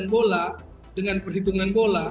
insan bola dengan perhitungan bola